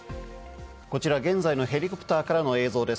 こちら現在のヘリコプターからの映像です。